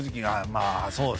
まあそうっすね。